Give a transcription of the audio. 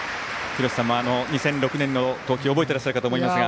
廣瀬さんも２００６年の投球覚えていると思いますが。